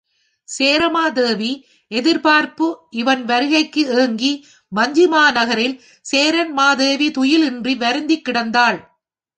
சேரமா தேவி எதிர்பார்ப்பு இவன் வருகைக்கு ஏங்கி வஞ்சி மாநகரில் சேரன் மாதேவி துயில் இன்றி வருந்திக் கிடந்தாள்.